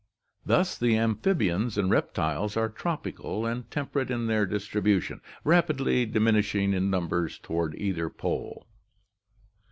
Thus the amphib ians and reptiles are tropical and temperate in their distribution, rapidly diminishing in numbers toward either pole.